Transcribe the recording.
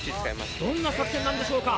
どんな作戦なんでしょうか？